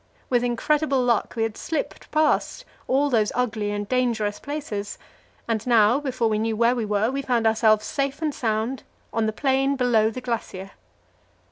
With incredible luck we had slipped past all those ugly and dangerous places, and now, before we knew where we were, we found ourselves safe and sound on the plain below the glacier.